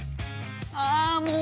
あもう！